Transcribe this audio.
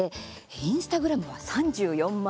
インスタグラムは３４万人。